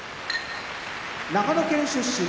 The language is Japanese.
長野県出身